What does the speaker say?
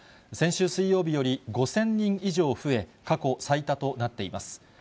先週水曜日より５０００人以上増え、過去最多となっています。